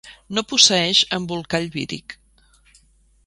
No posseeix embolcall víric.